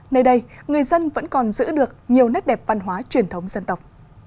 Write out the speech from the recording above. nơi đây người dân vẫn còn giữ được nhiều nét đẹp văn hóa truyền thống dân tộc